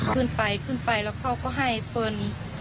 ขึ้นไปขึ้นไปแล้วเขาก็ให้เฟิร์น